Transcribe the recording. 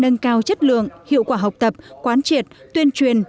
nâng cao chất lượng hiệu quả học tập quán triệt tuyên truyền